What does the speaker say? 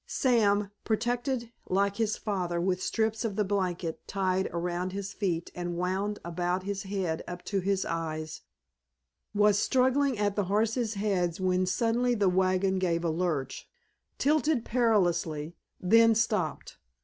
Sam, protected like his father with strips of the blanket tied around his feet and wound about his head up to his eyes, was struggling at the horses' heads when suddenly the wagon gave a lurch, tilted perilously, then stopped.